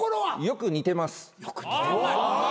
よく「にて」ます。